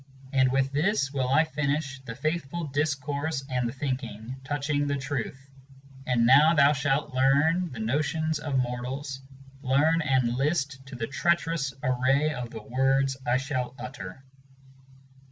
And with this will I finish the faithful discourse and the thinking Touching the truth, and now thou shalt learn the notions of mortals. Learn and list to the treach'rous array of the words I shall utter.